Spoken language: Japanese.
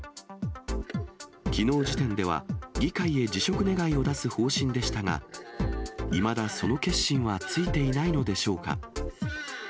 きのう時点では、議会へ辞職願を出す方針でしたが、いまだその決心はついていないのでしょうか。